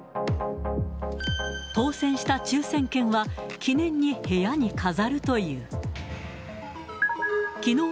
当せんした抽せん券は、記念に部屋に飾るという。